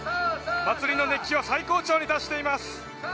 祭りの熱気は最高潮に達しています！